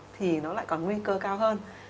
thì nó lại còn nguy cơ cao hơn